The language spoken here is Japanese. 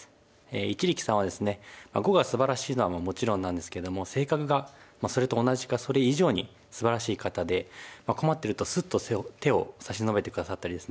一力さんはですね碁がすばらしいのはもちろんなんですけども性格がそれと同じかそれ以上にすばらしい方で困ってるとすっと手を差し伸べて下さったりですね